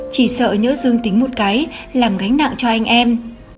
chỉ sợ nhớ dương tính một cái làm gánh nặng cho anh em